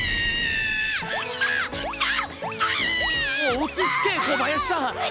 落ち着け小林さん。